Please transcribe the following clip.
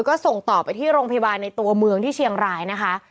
ก็ส่งต่อไปที่โรงพยาบาลในตัวเมืองที่เชียงรายนะคะ